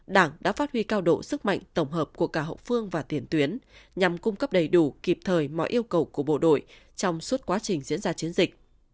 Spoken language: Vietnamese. đảng đã phát huy cao độ sức mạnh tổng hợp của cả hậu phương và tiền tuyến nhằm cung cấp đầy đủ kịp thời mọi yêu cầu của bộ đội trong suốt quá trình diễn ra chiến dịch